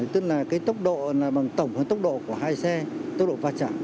tức là cái tốc độ là bằng tổng hướng tốc độ của hai xe tốc độ va chạm